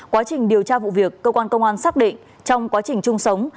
quá trình điều tra vụ việc cơ quan công an xác định trong quá trình chung sống